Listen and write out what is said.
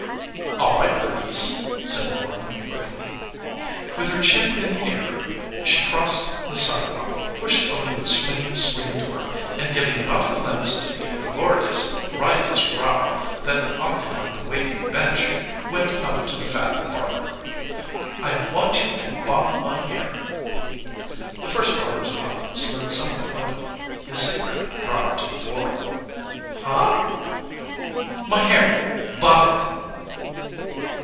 "All right, Bernice," said Warren quickly. With her chin in the air she crossed the sidewalk, pushed open the swinging screen door, and giving not a glance to the uproarious, riotous row that occupied the waiting bench, went up to the fat barber. "I want you to bob my hair." The first barber's mouth slid somewhat open. His cigarette dropped to the floor. "Huh?" "My hair bob it!"